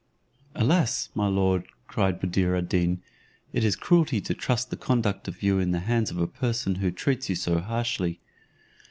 "Alas! my lord," cried Buddir ad Deen, "it is cruelty to trust the conduct of you in the hands of a person who treats you so harshly."